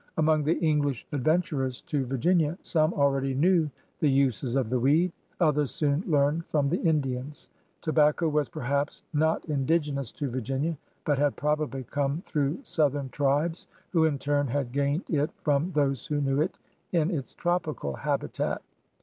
Among the English adventurers to Virginia some already knew the uses of the weed; others soon learned from the Indians. Tobacco was perhaps not in digenous to Virginia, but had probably come through southern tribes who in turn had gained it from those who knew it in its tropic habitat.